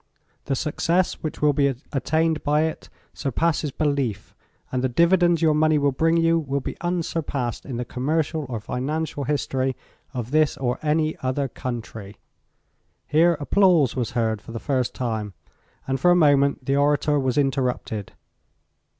The success which will be attained by it surpasses belief and the dividends your money will bring you will be unsurpassed in the commercial or financial history of this or any other country." Here applause was heard for the first time and for a moment the orator was interrupted.